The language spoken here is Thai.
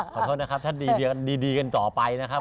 ขอโทษนะครับถ้าดีกันต่อไปนะครับ